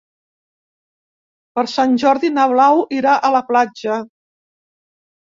Per Sant Jordi na Blau irà a la platja.